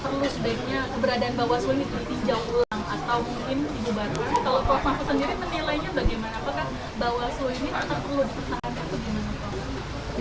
kalau pak mahfuz sendiri menilainya bagaimana apakah bapak soe ini tetap perlu dipertahankan